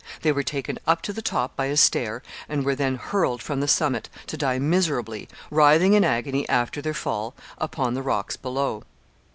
They were taken up to the top by a stair, and were then hurled from the summit, to die miserably, writhing in agony after their fall, upon the rocks below.